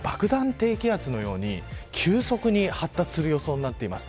低気圧のように急速に発達する予想になっています。